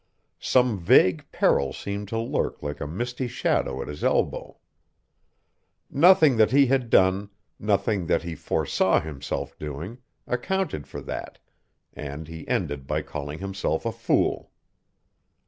Some vague peril seemed to lurk like a misty shadow at his elbow. Nothing that he had done, nothing that he foresaw himself doing, accounted for that, and he ended by calling himself a fool.